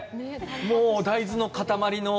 もう大豆の塊の。